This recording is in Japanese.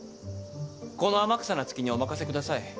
この天草那月にお任せください。